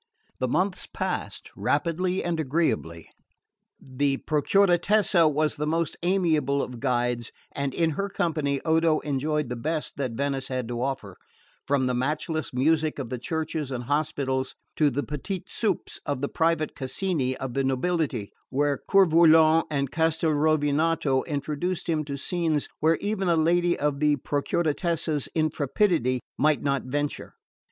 The months passed rapidly and agreeably. The Procuratessa was the most amiable of guides, and in her company Odo enjoyed the best that Venice had to offer, from the matchless music of the churches and hospitals to the petits soupers in the private casini of the nobility; while Coeur Volant and Castelrovinato introduced him to scenes where even a lady of the Procuratessa's intrepidity might not venture.